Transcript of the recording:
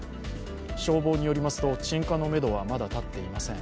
消防によりますと鎮火のめどはまだ立っていません。